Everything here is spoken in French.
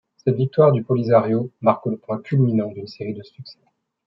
Cette victoire du Polisario marque le point culminant d'une série de succès.